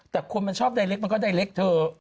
แต่คนมันชอบไดเรกมันก็ไดเรกเถอะ